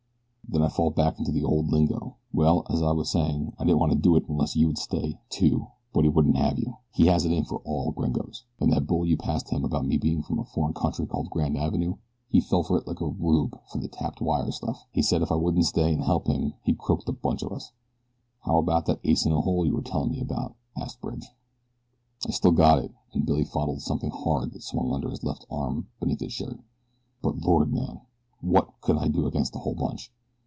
Then I fall back into the old lingo. Well, as I was saying, I didn't want to do it unless you would stay too, but he wouldn't have you. He has it in for all gringos, and that bull you passed him about me being from a foreign country called Grand Avenue! He fell for it like a rube for the tapped wire stuff. He said if I wouldn't stay and help him he'd croak the bunch of us." "How about that ace in the hole, you were telling me about?" asked Bridge. "I still got it," and Billy fondled something hard that swung under his left arm beneath his shirt; "but, Lord, man! what could I do against the whole bunch?